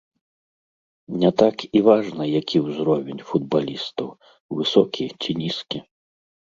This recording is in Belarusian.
Не так і важна, які ўзровень футбалістаў, высокі ці нізкі.